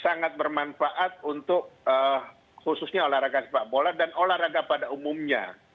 sangat bermanfaat untuk khususnya olahraga sepak bola dan olahraga pada umumnya